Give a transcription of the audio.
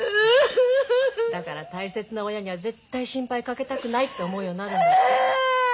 だから大切な親には絶対心配かけたくないって思うようになるんだって。